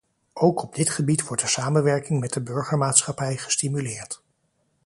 Ook op dit gebied wordt de samenwerking met de burgermaatschappij gestimuleerd.